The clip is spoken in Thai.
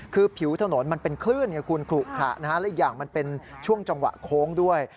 คือผิวถนนมันเป็นคลื่นไงคุณขลุขระนะฮะและอีกอย่างมันเป็นช่วงจังหวะโค้งด้วย